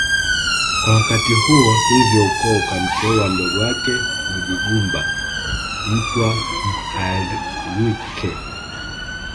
Kwa wakati huo hivyo ukoo ukamteua mdogo wake Munyigumba Mtwa Mhalwike